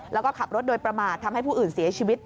แล้วก็ขับรถโดยประมาททำให้ผู้อื่นเสียชีวิต